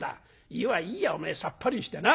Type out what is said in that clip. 湯はいいよおめえさっぱりしてな」。